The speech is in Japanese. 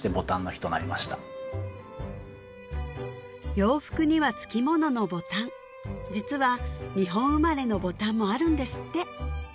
洋服にはつきもののボタン実は日本生まれのボタンもあるんですって